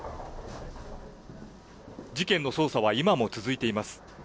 事件の捜査は今も続いています。